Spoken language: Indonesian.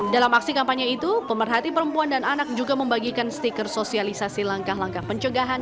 dalam aksi kampanye itu pemerhati perempuan dan anak juga membagikan stiker sosialisasi langkah langkah pencegahan